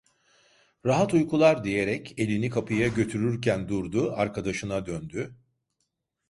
"Rahat uykular…" diyerek elini kapıya götürürken durdu, arkadaşına döndü: